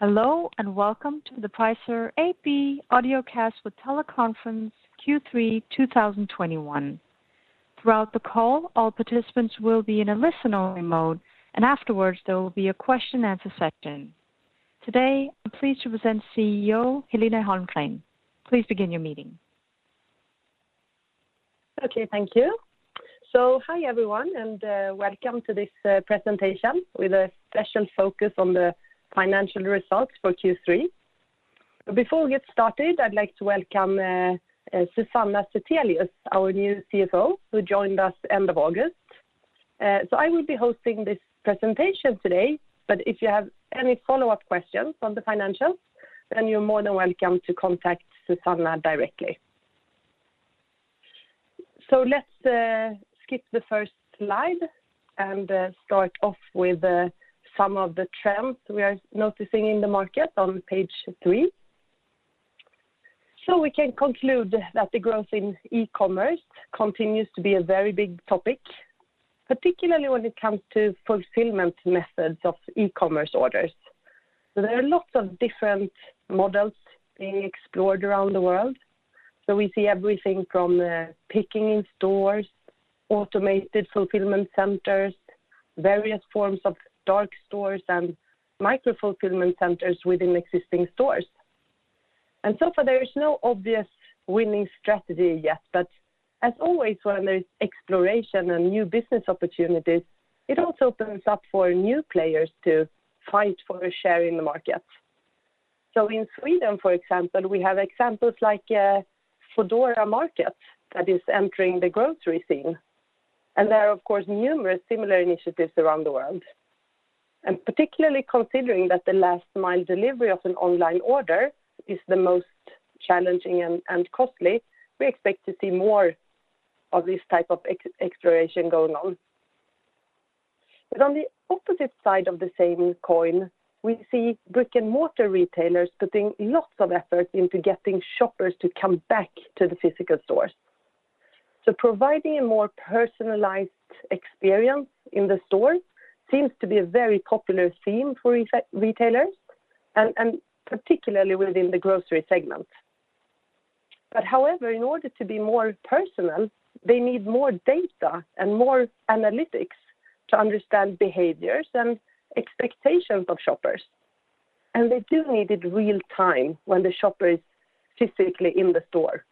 Hello, and welcome to the Pricer AB Audiocast with Teleconference Q3 2021. Throughout the call, all participants will be in a listen-only mode, and afterwards, there will be a question and answer section. Today, I'm pleased to present CEO Helena Holmgren. Please begin your meeting. Okay. Thank you. Hi everyone, and welcome to this presentation with a special focus on the financial results for Q3. Before we get started, I'd like to welcome Susanna Zethelius, our new CFO, who joined us end of August. I will be hosting this presentation today, but if you have any follow-up questions on the financials, you're more than welcome to contact Susanna directly. Let's skip the first slide and start off with some of the trends we are noticing in the market on page three. We can conclude that the growth in e-commerce continues to be a very big topic, particularly when it comes to fulfillment methods of e-commerce orders. There are lots of different models being explored around the world. We see everything from picking in stores, automated fulfillment centers, various forms of dark stores, and micro-fulfillment centers within existing stores. So far, there is no obvious winning strategy yet, but as always, when there is exploration and new business opportunities, it also opens up for new players to fight for a share in the market. In Sweden, for example, we have examples like Foodora Market that is entering the grocery scene, and there are, of course, numerous similar initiatives around the world. Particularly considering that the last mile delivery of an online order is the most challenging and costly, we expect to see more of this type of exploration going on. On the opposite side of the same coin, we see brick-and-mortar retailers putting lots of effort into getting shoppers to come back to the physical stores. Providing a more personalized experience in the stores seems to be a very popular theme for retailers, and particularly within the grocery segment. However, in order to be more personal, they need more data and more analytics to understand behaviors and expectations of shoppers, and they do need it real time when the shopper is physically in the store.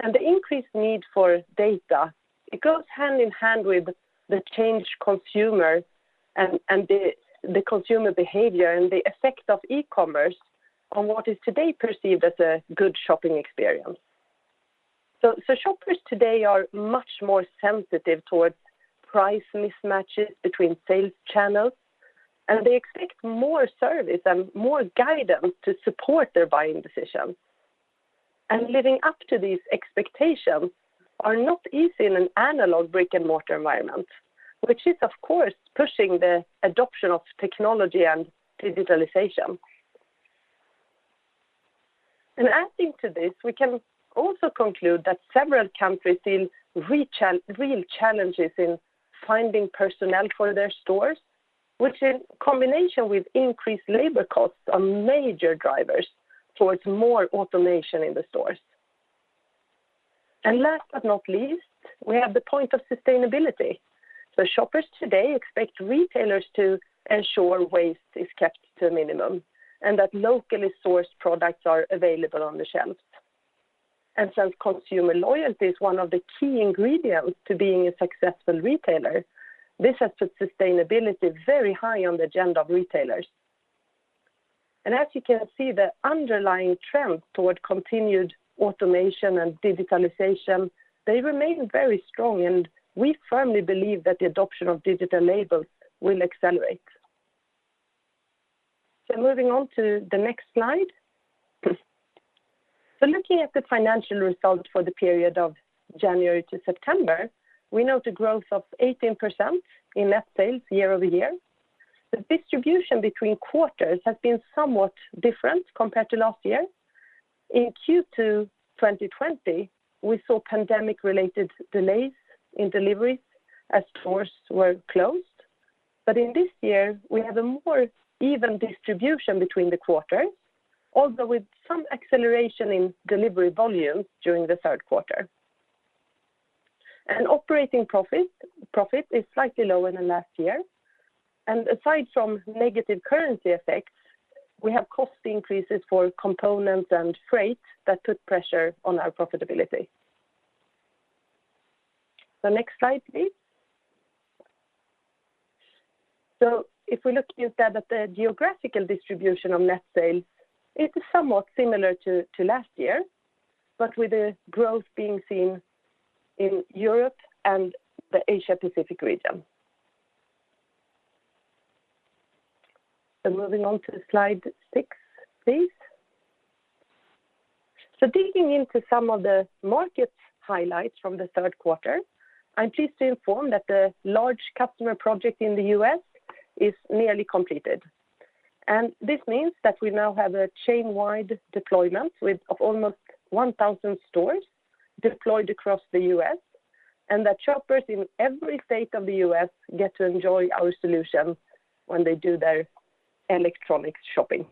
The increased need for data, it goes hand in hand with the changed consumer and the consumer behavior and the effect of e-commerce on what is today perceived as a good shopping experience. Shoppers today are much more sensitive towards price mismatches between sales channels, and they expect more service and more guidance to support their buying decisions. Living up to these expectations are not easy in an analog brick-and-mortar environment, which is, of course, pushing the adoption of technology and digitalization. Adding to this, we can also conclude that several countries face real challenges in finding personnel for their stores, which in combination with increased labor costs, are major drivers towards more automation in the stores. Last but not least, we have the point of sustainability. Shoppers today expect retailers to ensure waste is kept to a minimum, and that locally sourced products are available on the shelves. Since consumer loyalty is one of the key ingredients to being a successful retailer, this has put sustainability very high on the agenda of retailers. As you can see, the underlying trend toward continued automation and digitalization, they remain very strong, and we firmly believe that the adoption of digital labels will accelerate. Moving on to the next slide. Looking at the financial results for the period of January to September, we note a growth of 18% in net sales year-over-year. The distribution between quarters has been somewhat different compared to last year. In Q2 2020, we saw pandemic-related delays in deliveries as stores were closed. In this year, we have a more even distribution between the quarters, although with some acceleration in delivery volume during the third quarter. Operating profit is slightly lower than last year. Aside from negative currency effects, we have cost increases for components and freight that put pressure on our profitability. Next slide, please. If we look instead at the geographical distribution of net sales, it is somewhat similar to last year, but with the growth being seen in Europe and the Asia Pacific region. Moving on to slide six, please. Digging into some of the market highlights from the third quarter, I'm pleased to inform that the large customer project in the U.S. is nearly completed. This means that we now have a chain-wide deployment with almost 1,000 stores deployed across the U.S., and that shoppers in every state of the U.S. get to enjoy our solution when they do their electronic shopping.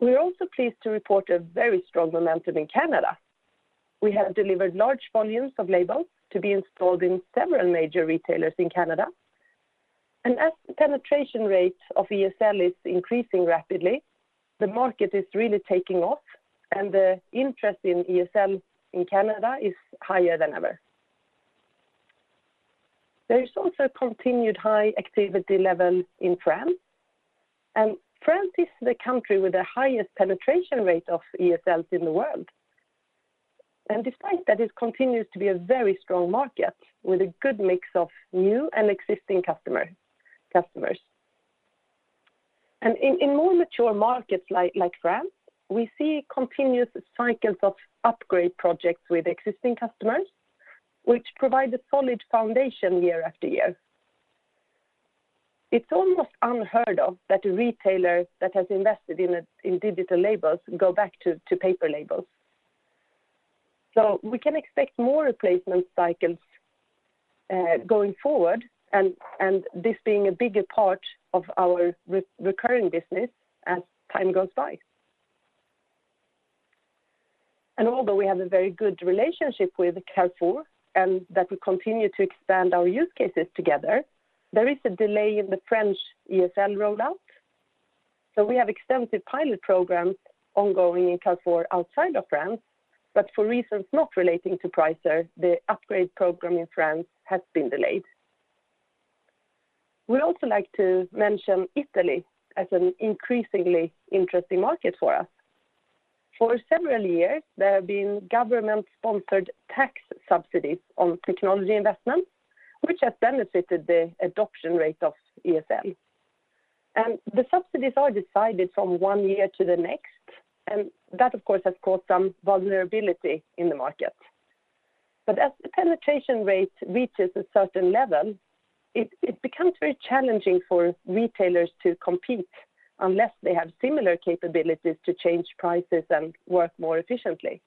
We are also pleased to report a very strong momentum in Canada. We have delivered large volumes of labels to be installed in several major retailers in Canada. As the penetration rate of ESL is increasing rapidly, the market is really taking off, and the interest in ESL in Canada is higher than ever. There is also continued high activity levels in France. France is the country with the highest penetration rate of ESLs in the world. Despite that, it continues to be a very strong market with a good mix of new and existing customers. In more mature markets like France, we see continuous cycles of upgrade projects with existing customers, which provide a solid foundation year after year. It's almost unheard of that a retailer that has invested in digital labels go back to paper labels. We can expect more replacement cycles going forward and this being a bigger part of our recurring business as time goes by. Although we have a very good relationship with Carrefour and that we continue to expand our use cases together, there is a delay in the French ESL rollout. We have extensive pilot programs ongoing in Carrefour outside of France, but for reasons not relating to Pricer, the upgrade program in France has been delayed. We'd also like to mention Italy as an increasingly interesting market for us. For several years, there have been government-sponsored tax subsidies on technology investments, which has benefited the adoption rate of ESL. The subsidies are decided from one year to the next, and that of course, has caused some vulnerability in the market. As the penetration rate reaches a certain level, it becomes very challenging for retailers to compete unless they have similar capabilities to change prices and work more efficiently.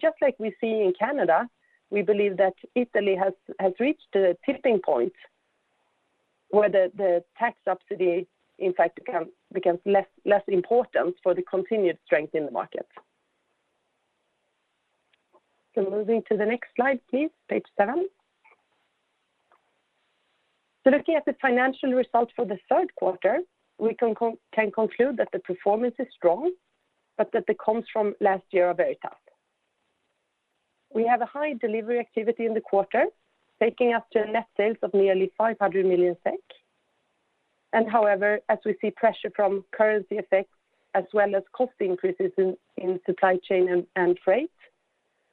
Just like we see in Canada, we believe that Italy has reached a tipping point where the tax subsidy, in fact, becomes less important for the continued strength in the market. Moving to the next slide, please, page seven. Looking at the financial results for the third quarter, we can conclude that the performance is strong, but that the comps from last year are very tough. We have a high delivery activity in the quarter, taking us to a net sales of nearly 500 million SEK. However, as we see pressure from currency effects as well as cost increases in supply chain and freight,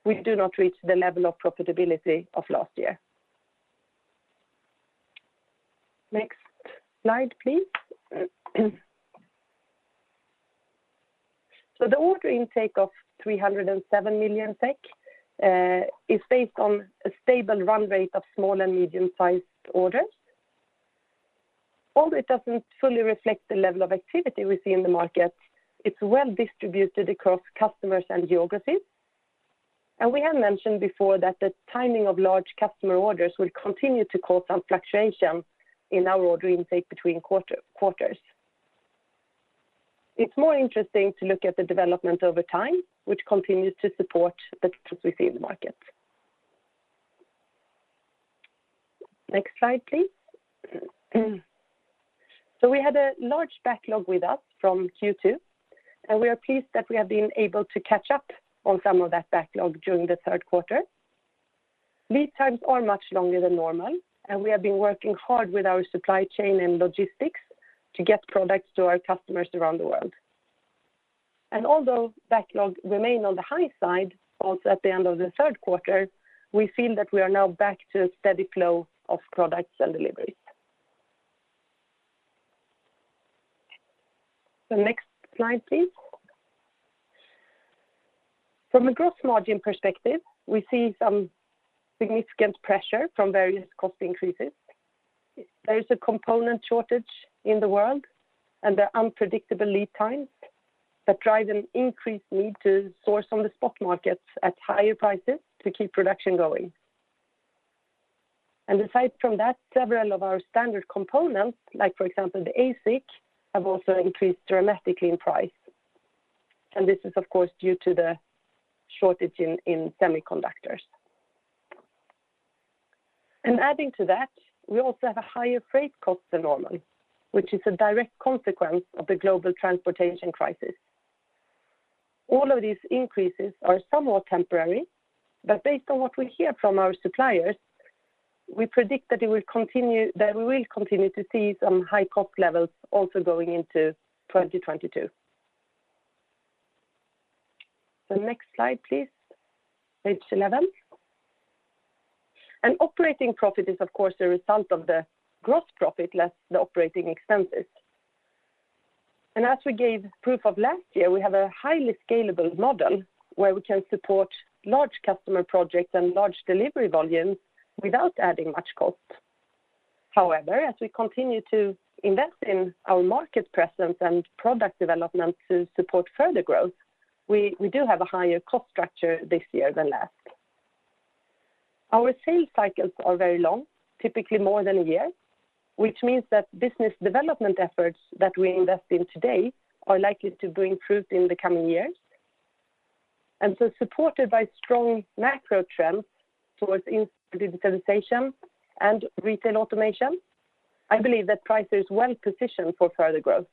we do not reach the level of profitability of last year. Next slide, please. The order intake of 307 million SEK is based on a stable run rate of small and medium-sized orders. Although it doesn't fully reflect the level of activity we see in the market, it's well-distributed across customers and geographies. We have mentioned before that the timing of large customer orders will continue to cause some fluctuations in our order intake between quarters. It's more interesting to look at the development over time, which continues to support the growth we see in the market. Next slide, please. We had a large backlog with us from Q2, and we are pleased that we have been able to catch up on some of that backlog during the third quarter. Lead times are much longer than normal, and we have been working hard with our supply chain and logistics to get products to our customers around the world. Although backlogs remain on the high side also at the end of the third quarter, we feel that we are now back to a steady flow of products and deliveries. Next slide, please. From a gross margin perspective, we see some significant pressure from various cost increases. There is a component shortage in the world and the unpredictable lead times that drive an increased need to store on the spot markets at higher prices to keep production going. Aside from that, several of our standard components, like for example, the ASIC, have also increased dramatically in price. This is, of course, due to the shortage in semiconductors. Adding to that, we also have a higher freight cost than normal, which is a direct consequence of the global transportation crisis. All of these increases are somewhat temporary, but based on what we hear from our suppliers, we predict that we will continue to see some high cost levels also going into 2022. Next slide, please, page 11. An operating profit is, of course, a result of the gross profit less the operating expenses. As we gave proof of last year, we have a highly scalable model where we can support large customer projects and large delivery volumes without adding much cost. However, as we continue to invest in our market presence and product development to support further growth, we do have a higher cost structure this year than last. Our sales cycles are very long, typically more than a year, which means that business development efforts that we invest in today are likely to bring fruit in the coming years. Supported by strong macro trends towards digitalization and retail automation, I believe that Pricer is well-positioned for further growth.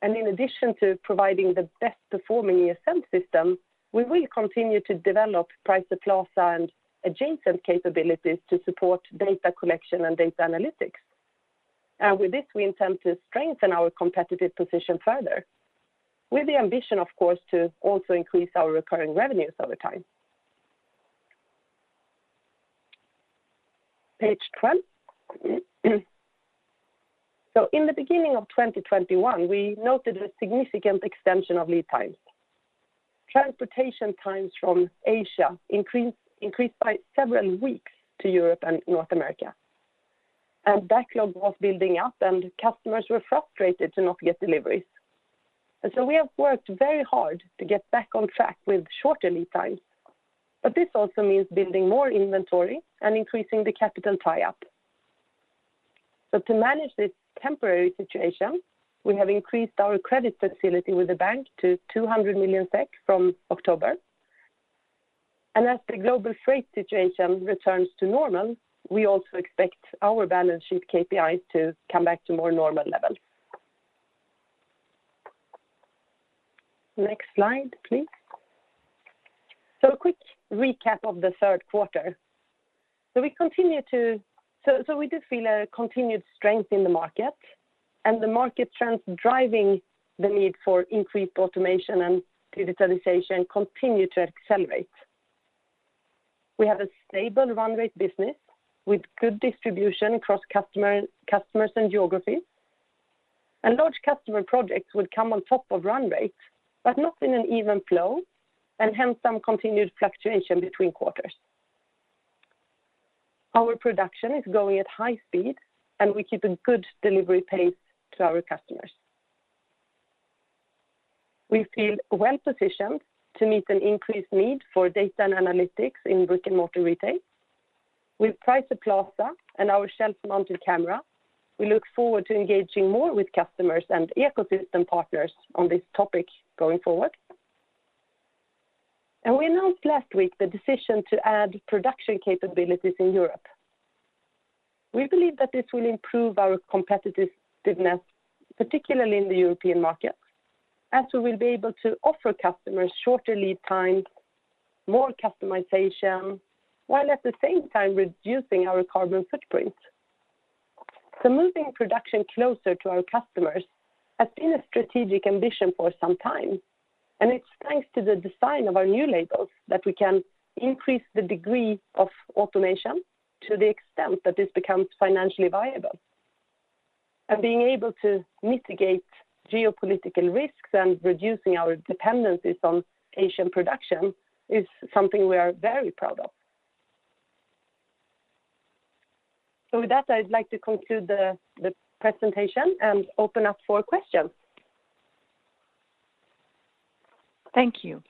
In addition to providing the best performing ESL system, we will continue to develop Pricer Plaza and adjacent capabilities to support data collection and data analytics. With this, we intend to strengthen our competitive position further with the ambition, of course, to also increase our recurring revenues over time. Page 12. In the beginning of 2021, we noted a significant extension of lead times. Transportation times from Asia increased by several weeks to Europe and North America. Backlog was building up and customers were frustrated to not get deliveries. We have worked very hard to get back on track with shorter lead times, but this also means building more inventory and increasing the capital tie up. To manage this temporary situation, we have increased our credit facility with the bank to 200 million SEK from October. As the global freight situation returns to normal, we also expect our balance sheet KPIs to come back to more normal levels. Next slide, please. A quick recap of the third quarter. We did feel a continued strength in the market and the market trends driving the need for increased automation and digitalization continue to accelerate. We have a stable run rate business with good distribution across customers and geographies. Large customer projects will come on top of run rates, but not in an even flow, and hence some continued fluctuation between quarters. Our production is going at high speed, and we keep a good delivery pace to our customers. We feel well-positioned to meet an increased need for data and analytics in brick-and-mortar retail. With Pricer Plaza and our Pricer ShelfVision, we look forward to engaging more with customers and ecosystem partners on this topic going forward. We announced last week the decision to add production capabilities in Europe. We believe that this will improve our competitiveness, particularly in the European market, as we will be able to offer customers shorter lead times, more customization, while at the same time reducing our carbon footprint. Moving production closer to our customers has been a strategic ambition for some time, and it's thanks to the design of our new labels that we can increase the degree of automation to the extent that this becomes financially viable. Being able to mitigate geopolitical risks and reducing our dependencies on Asian production is something we are very proud of. With that, I'd like to conclude the presentation and open up for questions. Thank you.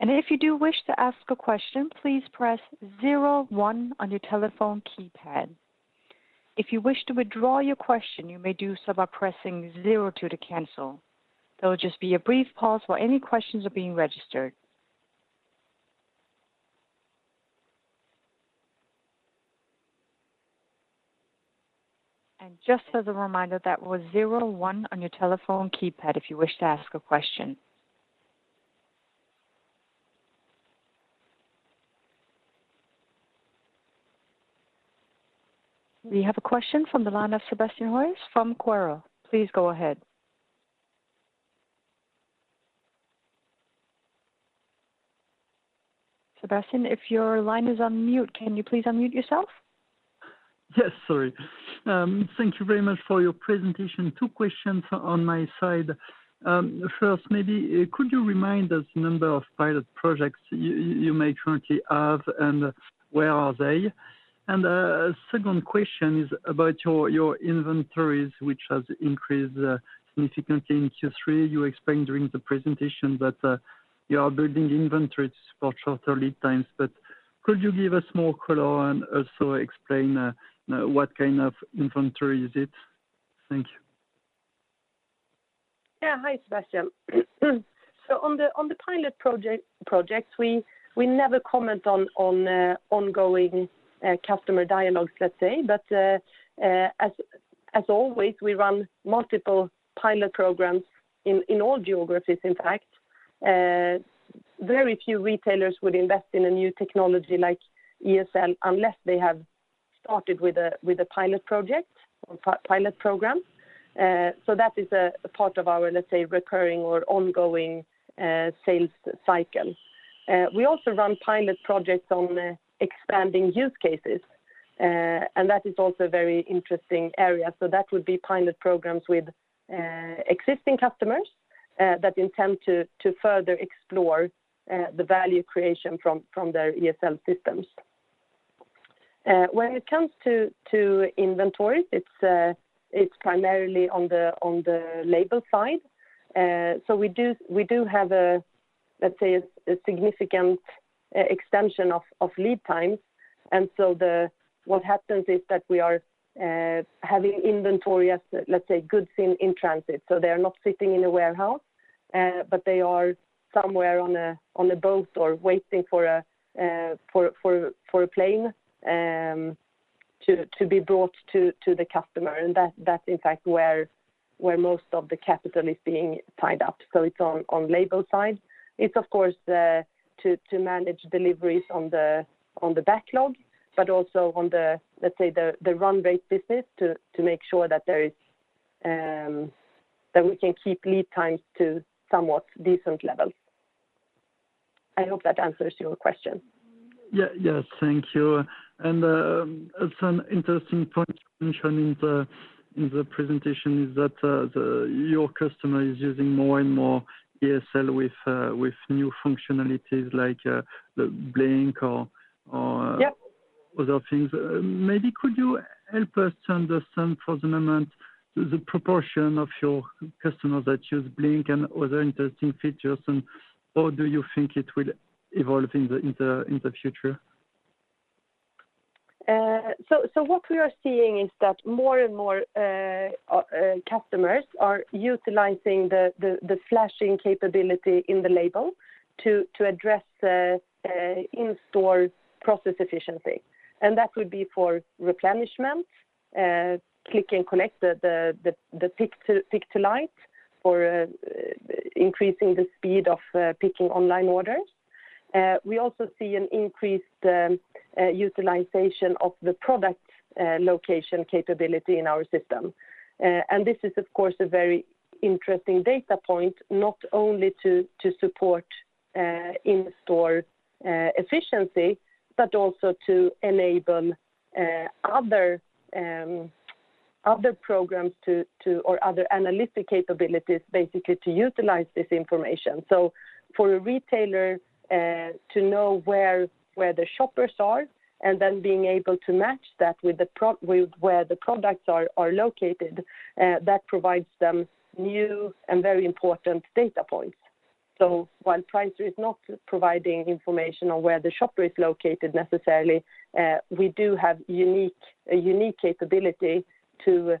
If you do wish to ask a question, please press zero one on your telephone keypad. If you wish to withdraw your question, you may do so by pressing zero two to cancel. There will just be a brief pause while any questions are being registered. Just as a reminder, that was zero one on your telephone keypad if you wish to ask a question. We have a question from the line of Sebastian Johansen from Pareto Securities. Please go ahead. Sebastian, if your line is on mute, can you please unmute yourself? Yes, sorry. Thank you very much for your presentation. Two questions on my side. First, maybe could you remind us the number of pilot projects you may currently have and where are they? A second question is about your inventories, which has increased significantly in Q3. You explained during the presentation that you are building inventories for shorter lead times, but could you give us more color and also explain what kind of inventory is it? Thank you. Yeah. Hi, Sebastian. On the pilot projects, we never comment on ongoing customer dialogues, let's say. As always, we run multiple pilot programs in all geographies, in fact. Very few retailers would invest in a new technology like ESL unless they have started with a pilot project or pilot program. That is a part of our, let's say, recurring or ongoing sales cycle. We also run pilot projects on expanding use cases. That is also a very interesting area. That would be pilot programs with existing customers that intend to further explore the value creation from their ESL systems. When it comes to inventories, it's primarily on the label side. We do have a, let's say, a significant extension of lead times. What happens is that we are having inventory of, let's say, goods in transit. They are not sitting in a warehouse, but they are somewhere on a boat or waiting for a plane to be brought to the customer, and that's in fact where most of the capital is being tied up. It's on label side. It's of course to manage deliveries on the backlog, but also on the, let's say, the run rate business to make sure that we can keep lead times to somewhat decent levels. I hope that answers your question. Yes. Thank you. Helena, interesting point you mentioned in the presentation is that your customer is using more and more ESL with new functionalities like the blink. Yep Other things. Maybe could you help us understand for the moment the proportion of your customers that use SmartFLASH and other interesting features, and how do you think it will evolve in the future? What we are seeing is that more and more customers are utilizing the flashing capability in the label to address in-store process efficiency, and that would be for replenishment, click and collect, the pick-to-light for increasing the speed of picking online orders. We also see an increased utilization of the product location capability in our system. This is of course a very interesting data point, not only to support in-store efficiency, but also to enable other programs or other analytic capabilities, basically to utilize this information. For a retailer to know where the shoppers are, and then being able to match that with where the products are located, that provides them new and very important data points. While Pricer is not providing information on where the shopper is located necessarily, we do have a unique capability to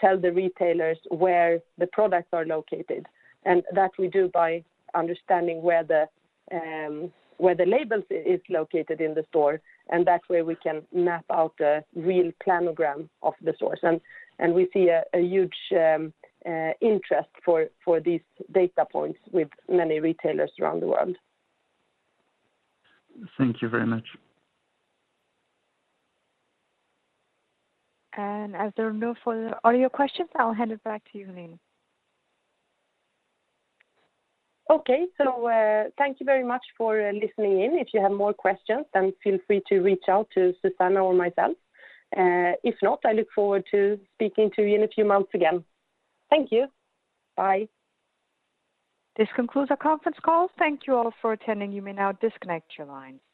tell the retailers where the products are located. That we do by understanding where the label is located in the store, and that way we can map out a real planogram of the store. We see a huge interest for these data points with many retailers around the world. Thank you very much. As there are no further audio questions, I'll hand it back to you, Helena. Okay. Thank you very much for listening in. If you have more questions, then feel free to reach out to Susanna or myself. If not, I look forward to speaking to you in a few months again. Thank you. Bye. This concludes our conference call. Thank you all for attending. You may now disconnect your lines.